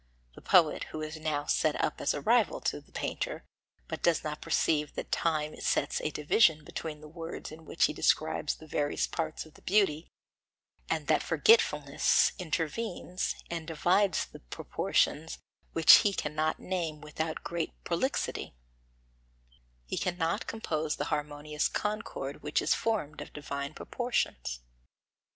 the poet who is now set up as a rival to the painter, but does not perceive that time sets a division between the words in which he describes the various parts of the beauty, and that forgetfulness intervenes and divides the proportions which he cannot name without great prolixity; he cannot compose the harmonious concord which is formed of divine proportions.